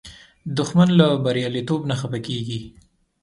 دښمن له بریالیتوب نه خفه کېږي